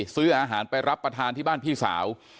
ซื้ออาหารไปรับประทานที่บ้านพี่สาว